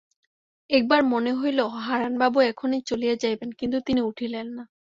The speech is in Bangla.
একবার মনে হইল হারানবাবু এখনই চলিয়া যাইবেন, কিন্তু তিনি উঠিলেন না।